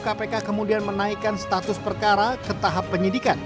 kpk kemudian menaikkan status perkara ke tahap penyidikan